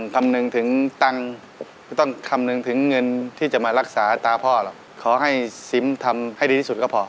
คำนึงถึงตังค์ไม่ต้องคำนึงถึงเงินที่จะมารักษาตาพ่อหรอกขอให้ซิมทำให้ดีที่สุดก็พอ